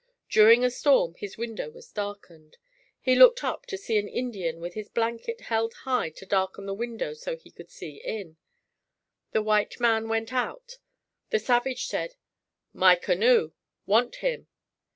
During a storm his window was darkened. He looked up to see an Indian with his blanket held high to darken the window so he could see in. The white man went out. The savage said, "My canoe. Want him."